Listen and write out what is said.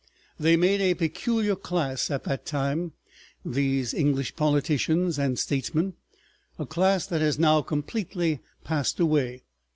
They made a peculiar class at that time, these English politicians and statesmen, a class that has now completely passed away.